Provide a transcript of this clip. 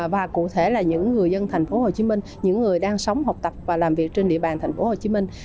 và cụ thể là những người dân tp hcm những người đang sống học tập và làm việc trên địa bàn tp hcm